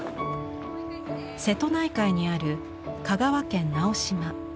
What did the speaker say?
瀬戸内海にある香川県直島。